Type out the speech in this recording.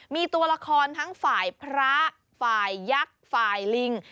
มีตัวละครทั้งฝ่ายพระฝ่ายยักษ์ฝ่ายลิง